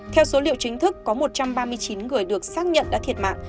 theo số liệu chính thức có một trăm ba mươi chín người được xác nhận đã thiệt mạng